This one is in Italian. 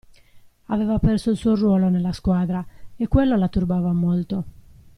Aveva perso il suo ruolo nella squadra, e quello la turbava molto.